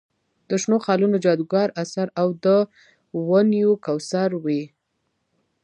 د شنو خالونو جادوګر اثر او د ونیو کوثر وي.